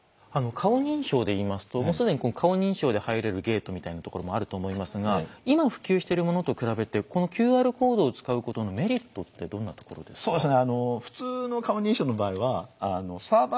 顔認証でいいますと既に顔認証で入れるゲートみたいなところもあると思いますが今普及してるものと比べてこのＱＲコードを使うことのメリットってどんなところですか？